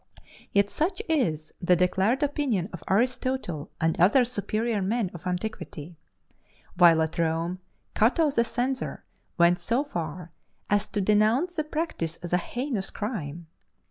Yet such is the declared opinion of Aristotle and other superior men of antiquity; while at Rome, Cato the censor went so far as to denounce the practice as a heinous crime.